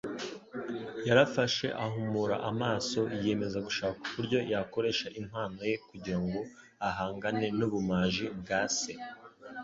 Yarafashe, ahumura amaso, yiyemeza gushaka uburyo yakoresha impano ye kugira ngo ahangane n'ubumaji bwa se.